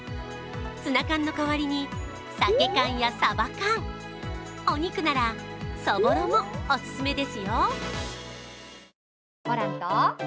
ツナ缶の代わりに鮭缶やサバ缶、お肉なら、そぼろもオススメですよ。